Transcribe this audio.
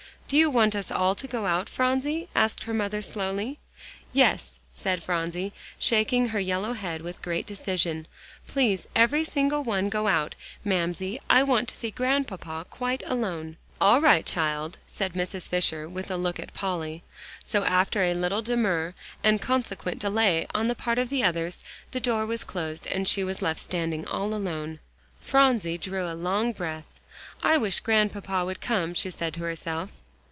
"Do you want us all to go out, Phronsie?" asked her mother slowly. "Yes," said Phronsie, shaking her yellow head with great decision, "please every single one go out, Mamsie. I want to see Grandpapa quite alone." "All right, child," said Mrs. Fisher, with a look at Polly. So after a little demur and consequent delay on the part of the others, the door was closed and she was left standing all alone. Phronsie drew a long breath. "I wish Grandpapa would come," she said to herself.